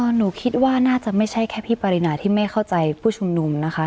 หนูคิดว่าน่าจะไม่ใช่แค่พี่ปรินาที่ไม่เข้าใจผู้ชุมนุมนะคะ